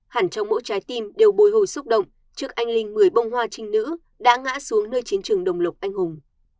hẳn trong mỗi trái tim đều bồi hồi xúc động trước anh linh một mươi bông hoa trinh nữ đã ngã xuống nơi chiến trường đồng lộc anh hùng